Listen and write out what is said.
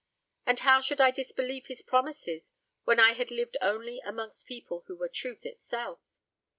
And how should I disbelieve his promises when I had lived only amongst people who were truth itself?